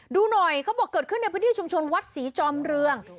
ดูหน่อยเขาบอกเกิดขึ้นในพื้นที่ชุมชนวัดศรีจอมเรือง